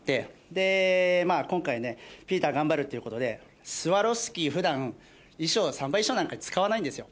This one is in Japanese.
で今回ねＰＩＥＴＥＲ頑張るっていうことでスワロフスキー普段サンバ衣装なんかに使わないんですよ。